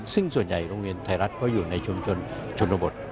ซึ่งส่วนใหญ่โรงเรียนไทยรัฐก็อยู่ในชุมชนชนบท